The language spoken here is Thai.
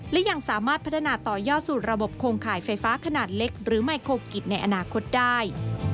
และยังสามารถพัฒนาต่อยอดสู่ระบบโครงข่ายไฟฟ้าขนาดเล็กหรือไมโครกิจในอนาคตได้